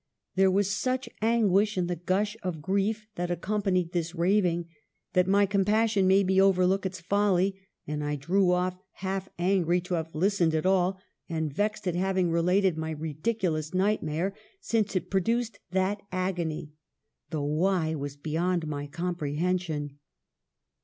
"There was such anguish in the gush of grief that accompanied this raving, that my compas sion made me overlook its folly, and I drew off, half # angry to have listened at all, and vexed at having related my ridiculous nightmare, since it produced that agony ; though why was beyond my comprehension."